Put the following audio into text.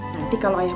nanti kalau ayahmu